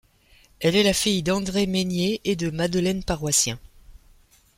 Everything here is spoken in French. Elle est la fille d'André Maigné et de Madeleine Paroissien.